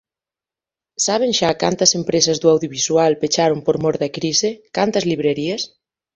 ¿Saben xa cantas empresas do audiovisual pecharon por mor da crise?, ¿cantas librerías?